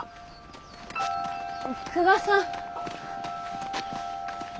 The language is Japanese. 久我さん。